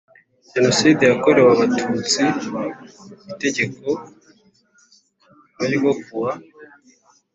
Jenoside yakorewe Abatutsi Itegeko no ryo ku wa